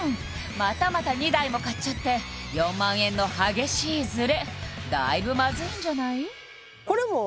またまた２台も買っちゃって４００００円の激しいズレだいぶまずいんじゃない？